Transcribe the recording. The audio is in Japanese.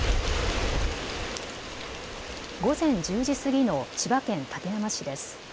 午前１０時過ぎの千葉県館山市です。